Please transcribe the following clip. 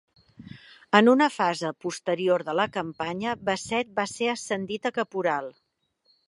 En una fase posterior de la campanya, Bassett va ser ascendit a caporal.